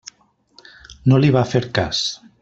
No li va fer cas.